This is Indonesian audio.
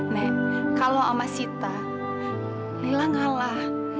nek kalau sama sita lela ngalah